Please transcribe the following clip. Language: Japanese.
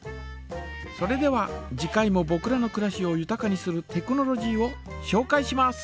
それでは次回もぼくらのくらしをゆたかにするテクノロジーをしょうかいします。